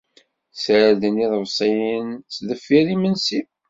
Ssarden iḍebsiyen sdeffir yimensi.